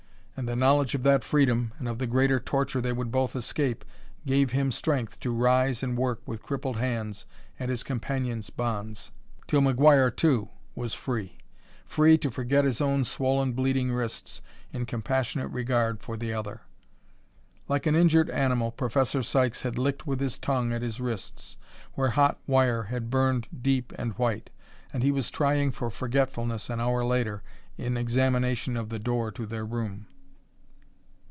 And the knowledge of that freedom and of the greater torture they would both escape, gave him strength to rise and work with crippled hands at his companion's bonds, till McGuire, too, was free free to forget his own swollen, bleeding wrists in compassionate regard for the other. Like an injured animal, Professor Sykes had licked with his tongue at his wrists, where hot wire had burned deep and white, and he was trying for forgetfulness an hour later, in examination of the door to their room.